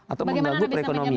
atau mengganggu perekonomian